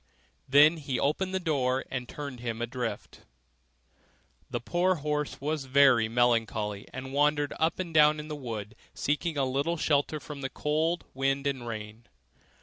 Then he opened the door and turned him adrift. The poor horse was very melancholy, and wandered up and down in the wood, seeking some little shelter from the cold wind and rain.